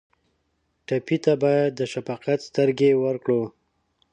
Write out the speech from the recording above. ټپي ته باید د شفقت سترګې ورکړو.